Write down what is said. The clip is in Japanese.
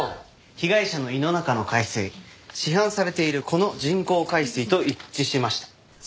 被害者の胃の中の海水市販されているこの人工海水と一致しました。